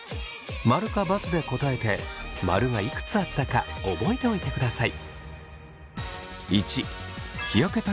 ○か×で答えて○がいくつあったか覚えておいてください。